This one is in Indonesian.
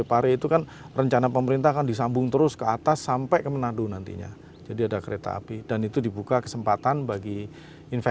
makassar parepare itu kan rencana pemerintah akan disambung terus ke atas sampai ke menado nantinya jadi ada kereta api dan itu dibuka kesempatan mereka untuk menginvestasikan jalur yang ada di sulawesi mbak desi